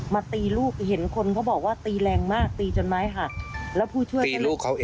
มาตีลูกเห็นคนเขาบอกว่าตีแรงมากตีจนไม้หัก